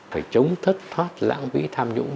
phải chống thất thoát lãng vĩ tham dũng